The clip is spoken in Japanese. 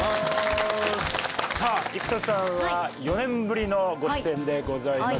さあ生田さんは４年ぶりのご出演でございます。